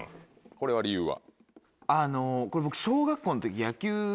これは理由は？